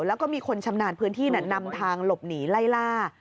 แล้วก็มีคนชำนาญพื้นที่นำทางหลบหนีไล่ล่า